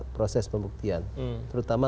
proses pembuktian terutama